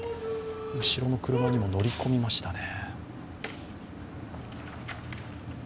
後の車に乗り込みましたね。